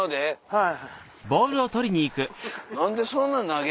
はい。